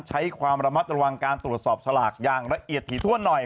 ใช้ความระมัดระวังการตรวจสอบสลากอย่างละเอียดถี่ถ้วนหน่อย